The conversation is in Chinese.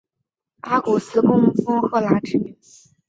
阿古斯供奉赫拉女神。